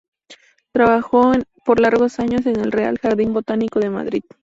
Trabajó por largos años en el Real Jardín Botánico de Madrid.